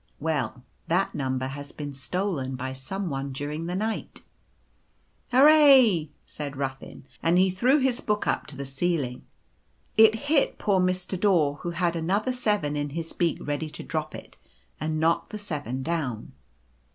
" Well, that Number has been stolen by some one during the night. ,," Hurrah !" said Ruffin, and he threw his book up to the ceiling. It hit poor Mr. Daw, who had another Seven in his beak ready to drop it, and knocked the Seven down.